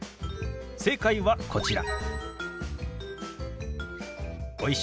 正解はこちら。